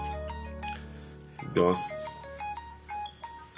出ます。